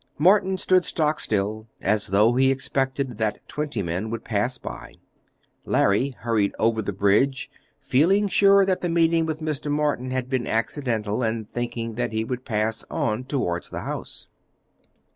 Morton stood stock still, as though he expected that Twentyman would pass by. Larry hurried over the bridge, feeling sure that the meeting with Morton had been accidental and thinking that he would pass on towards the house.